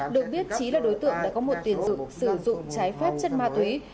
được biết trí là đối tượng đã có một tiền dựng sử dụng trái phép chất ma túy